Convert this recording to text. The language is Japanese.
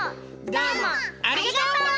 どうもありがとう！